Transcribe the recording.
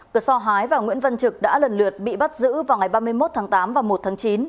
cơ so hái và nguyễn văn trực đã lần lượt bị bắt giữ vào ngày ba mươi một tháng tám và một tháng chín